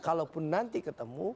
kalaupun nanti ketemu